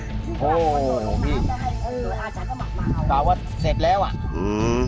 ไหมโอ้โอ้โอ้พี่เอออาจารย์ก็มาตาว่าเสร็จแล้วอ่ะอืม